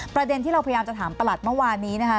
ประเด็นที่เราพยายามจะถามประหลัดเมื่อวานนี้นะคะ